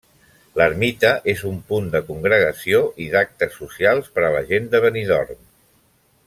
L'ermita és un punt de congregació i d'actes socials per a la gent de Benidorm.